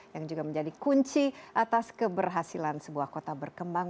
yang juga menjadi kunci atas keberhasilan sebuah kota berkembang